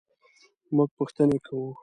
مونږ پوښتنې کوو